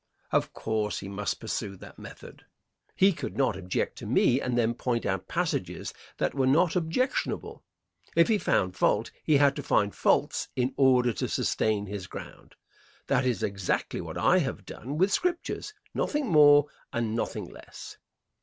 Of course he must pursue that method. He could not object to me and then point out passages that were not objectionable. If he found fault he had to find faults in order to sustain his ground. That is exactly what I have done with Scriptures nothing more and nothing less.